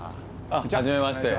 あっ初めまして。